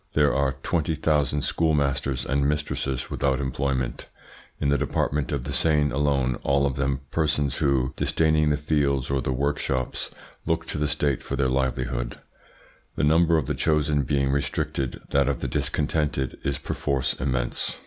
There are 20,000 schoolmasters and mistresses without employment in the department of the Seine alone, all of them persons who, disdaining the fields or the workshops, look to the State for their livelihood. The number of the chosen being restricted, that of the discontented is perforce immense.